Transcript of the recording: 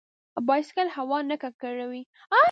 بایسکل هوا نه ککړوي.